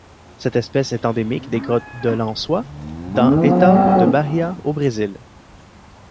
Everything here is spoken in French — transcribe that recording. Cette espèce est endémique des grottes de Lençóis dans État de Bahia au Brésil.